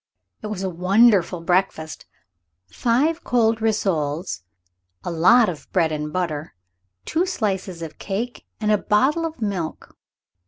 It was a wonderful breakfast. Five cold rissoles, a lot of bread and butter, two slices of cake, and a bottle of milk.